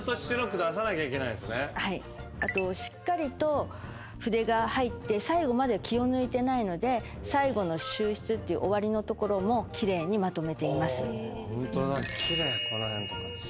あとしっかりと筆が入って最後まで気を抜いてないので最後の収筆っていう終わりのところも奇麗にまとめています。